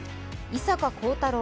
伊坂幸太郎